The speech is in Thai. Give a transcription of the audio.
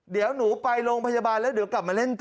เดี๋ยวหนูไปโรงพยาบาลแล้วเดี๋ยวกลับมาเล่นต่อ